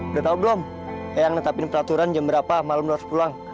udah tahu belum yang netapin peraturan jam berapa malam lo harus pulang